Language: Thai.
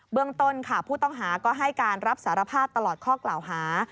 เรื่องต้นค่ะผู้ต้องหาก็ให้การรับสารภาพตลอดข้อกล่าวหา